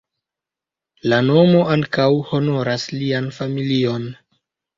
La nomo ankaŭ honoras lian familion.